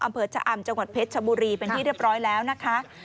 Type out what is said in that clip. อำเภอชะอำจังหวัดเพชรชบุรีเป็นที่เรียบร้อยแล้วนะคะ